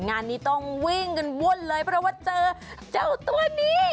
งานนี้ต้องวิ่งกันวุ่นเลยเพราะว่าเจอเจ้าตัวนี้